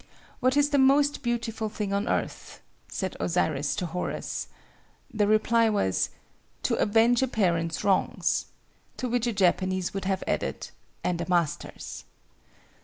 "What is the most beautiful thing on earth?" said Osiris to Horus. The reply was, "To avenge a parent's wrongs,"—to which a Japanese would have added "and a master's."